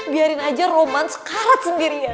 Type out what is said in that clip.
biarin aja romance karat sendirian